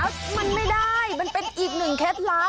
แล้วมันไม่ได้มันเป็นอีกหนึ่งเคล็ดลับ